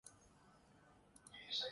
وہ بڑی احتیاط سے کھیلنا ہوگا چین کے